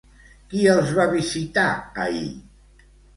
Qui els va visitar ahir?